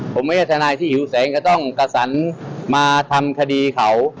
ผมไม่ใช่ทนายที่หิวแสงก็ต้องกระสันมาทำคดีเขา